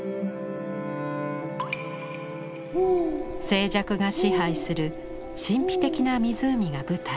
静寂が支配する神秘的な湖が舞台。